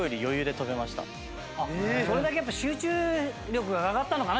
それだけやっぱ集中力が上がったのかな？